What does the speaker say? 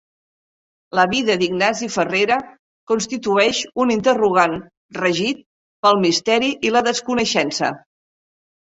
La vida d'Ignasi Ferrera constitueix un interrogant regit pel misteri i la desconeixença.